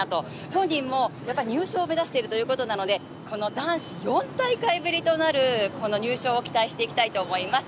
本人も入賞を目指しているということなので、男子４大会ぶりとなる入賞を期待していきたいと思います。